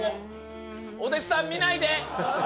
お弟子さん見ないで！